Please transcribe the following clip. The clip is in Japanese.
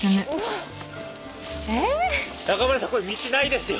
中村さんこれ道ないですよ。